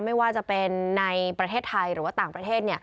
ไม่ว่าจะเป็นในประเทศไทยหรือว่าต่างประเทศ